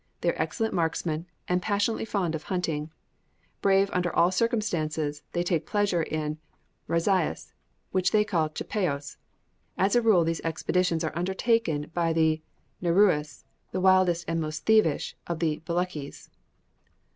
They are excellent marksmen, and passionately fond of hunting. Brave under all circumstances, they take pleasure in "razzias," which they call "tchépaos." As a rule, these expeditions are undertaken by the Nherouis, the wildest and most thievish of the Belutchis.